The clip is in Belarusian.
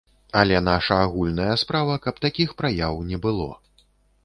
Але наша агульная справа, каб такіх праяў не было.